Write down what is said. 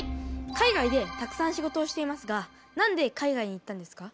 海外でたくさん仕事をしていますが何で海外に行ったんですか？